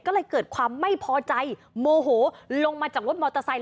ก็เลยเกิดความไม่พอใจโมโหลงมาจากรถมอเตอร์ไซค